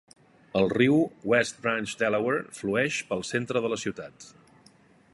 El riu West Branch Delaware flueix pel centre de la ciutat.